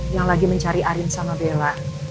yang lagi mencari arin sama bella